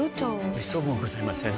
めっそうもございません。